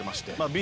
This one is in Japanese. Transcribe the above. Ｂ